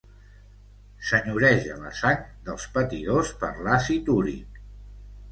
Senyoreja la sang dels patidors per l'àcid úric.